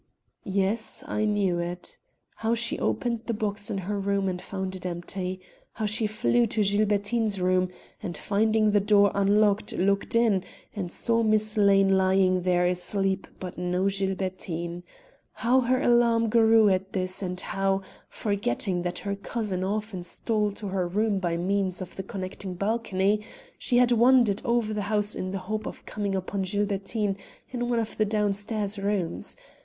Yes, I knew it. How she opened the box in her room and found it empty. How she flew to Gilbertine's room, and, finding the door unlocked, looked in, and saw Miss Lane lying there asleep but no Gilbertine. How her alarm grew at this and how, forgetting that her cousin often stole to her room by means of the connecting balcony, she had wandered over the house in the hope of coming upon Gilbertine in one of the down stairs rooms.